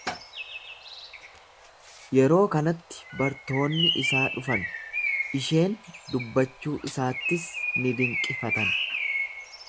Yeroo kanatti bartoonni isaa dhufan, isheen dubbachuu isaattis ni dinqifatan.